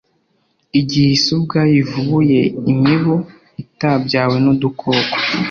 igihe isi ubwayo ivubuye imibu itabyawe n’udukoko,